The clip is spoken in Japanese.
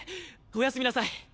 おやすみなさい。